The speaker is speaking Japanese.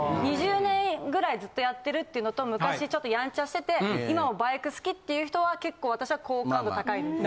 ２０年ぐらいずっとやってるっていうのと昔ちょっとヤンチャしてて今もバイク好きっていう人は結構私は好感度高いです。